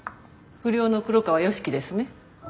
不良の黒川良樹ですね。